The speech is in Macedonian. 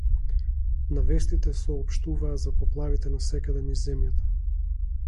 На вестите соопштуваа за поплавите насекаде низ земјата.